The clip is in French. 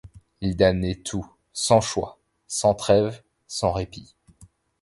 Il damnait tout, sans choix, sans trêve, sans répit.